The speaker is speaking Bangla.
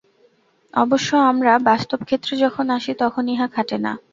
অবশ্য আমরা বাস্তব-ক্ষেত্রে যখন আসি, তখন ইহা খাটে না।